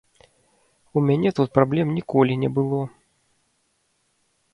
У мяне тут праблем ніколі не было.